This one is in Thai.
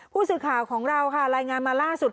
ผู้สื่อข่าวของเราค่ะรายงานมาล่าสุด